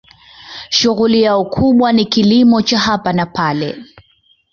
Shughuli yao kubwa ni kilimo cha hapa na pale.